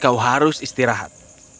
kau harus beristirahat